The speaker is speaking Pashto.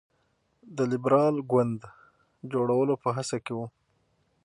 د لېبرال ګوند جوړولو په هڅه کې وو.